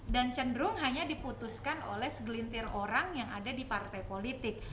dan cenderung hanya diputuskan oleh segelintir orang yang ada di partai politik